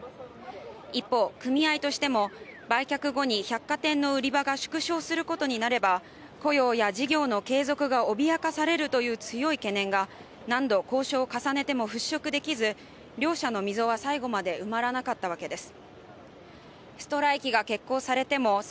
一方、組合としても売却後に百貨店の売り場が縮小することになれば雇用や事業の継続が脅かされるという強い懸念が何度交渉を重ねても払拭できず両者の溝は最後まで埋まらなかったわけです。